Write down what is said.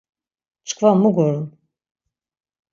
Çkva mu gorum!